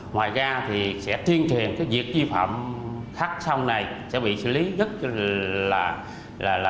ngoài ra thì sẽ truyền truyền việc duy phạm khắc xong này sẽ bị xử lý rất là